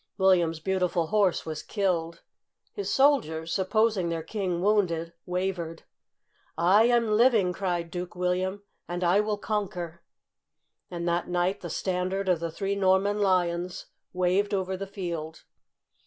William's beautiful horse was killed. His soldiers, sup posing their king wounded, wavered. " I am living," cried Duke William, "and I will conquer!" And that night the standard of the Three Norman Lions waved over the field.